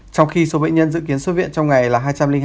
trong khi số bệnh nhân dự kiến xuất viện trong ngày là hai trăm linh hai